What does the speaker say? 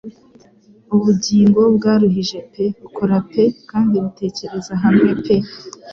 Ubugingo bwaruhije pe bukora pe kandi butekereza hamwe pe